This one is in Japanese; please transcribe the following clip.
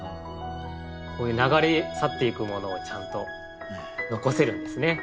こういう流れ去っていくものをちゃんと残せるんですね。